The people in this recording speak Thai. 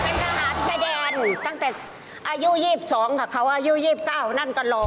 เป็นทหารแสดงตั้งแต่อายุ๒๒ค่ะเขาอายุ๒๙นั่นตลอด